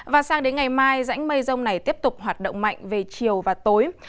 và sang đến ngày mai rãnh mây rông này tiếp tục hoạt động mạnh về chiều và tối